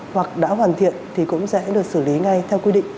hoặc đã hoàn thiện thì cũng sẽ được xử lý ngay theo quy định